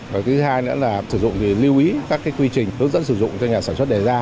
và thứ hai nữa là sử dụng thì lưu ý các quy trình hướng dẫn sử dụng cho nhà sản xuất đề ra